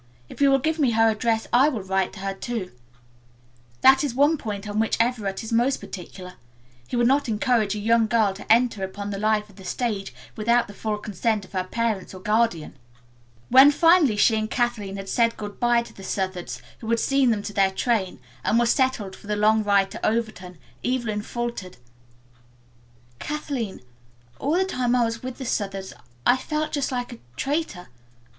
"If you will give me her address I will write to her too. That is one point on which Everett is most particular. He would not encourage a young girl to enter upon the life of the stage without the full consent of her parents or guardian." When finally she and Kathleen had said good bye to the Southards, who had seen them to their train, and were settled for the long ride to Overton, Evelyn faltered, "Kathleen, all the time I was with the Southards I felt just like a traitor.